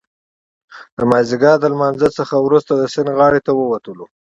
د مازدیګر له لمانځه څخه وروسته د سیند غاړې ته ووتلو.